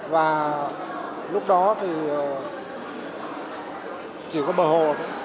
và lúc đó thì chỉ có bờ hồ